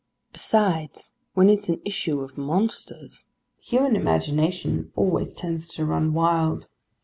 Besides, when it's an issue of monsters, the human imagination always tends to run wild.